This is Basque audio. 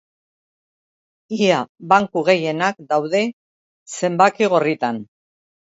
Ia banku gehienak daude zenbaki gorritan.